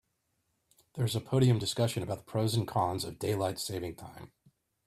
There's a podium discussion about the pros and cons of daylight saving time.